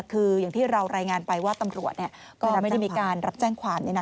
คืออย่างที่เรารายงานไปว่าตำรวจก็ยังไม่ได้มีการรับแจ้งความ